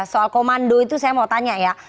soal komando itu saya mau tanya ya